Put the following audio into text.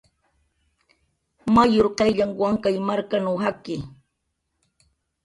Mayur qayllanh Wankay markanw jakki